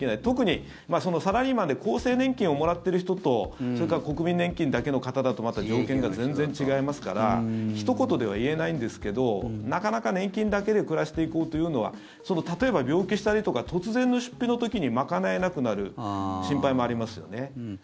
特に、サラリーマンで厚生年金をもらっている人とそれから国民年金だけの方だとまた条件が全然違いますからひと言では言えないんですけどなかなか年金だけで暮らしていこうというのは例えば、病気したりとか突然の出費の時に賄えなくなる心配もありますよね。